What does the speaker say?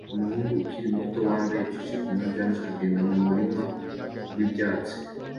Umuhungu ukiri muto wambaye t-shirt na jans agenda mumurima wibyatsi